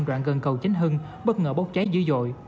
đoạn gần cầu chính hưng bất ngờ bốc cháy dữ dội